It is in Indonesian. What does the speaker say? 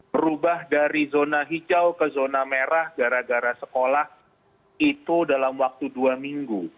berubah dari zona hijau ke zona merah gara gara sekolah itu dalam waktu dua minggu